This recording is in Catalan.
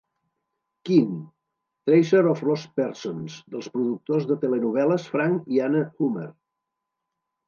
Keen, Tracer of Lost Persons, dels productors de telenovel·les Frank i Anne Hummert.